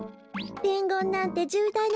でんごんなんてじゅうだいな